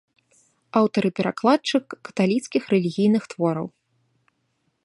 Аўтар і перакладчык каталіцкіх рэлігійных твораў.